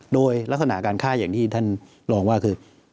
โดยลักษณะการฆ่าอย่างที่ท่านรองว่าคือ